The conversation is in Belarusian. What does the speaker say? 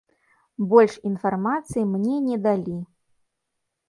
Больш інфармацыі мне не далі.